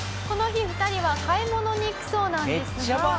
この日２人は買い物に行くそうなんですが。